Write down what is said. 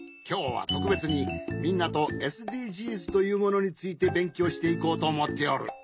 きょうはとくべつにみんなとＳＤＧｓというものについてべんきょうしていこうとおもっておる。